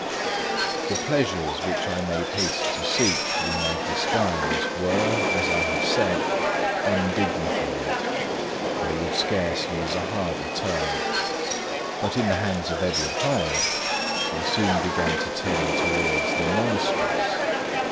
The pleasures which I made haste to seek in my disguise were, as I have said, undignified; I would scarce use a harder term. But in the hands of Edward Hyde, they soon began to turn toward the monstrous.